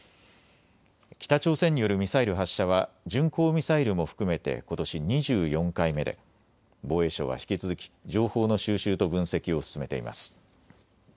北朝鮮によるミサイル発射は巡航ミサイルも含めてことし２４回目で防衛省は引き続き情報の収集と分析を進めています。